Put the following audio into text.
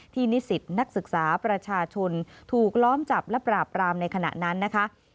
นิสิตนักศึกษาประชาชนถูกล้อมจับและปราบรามในขณะนั้นนะคะ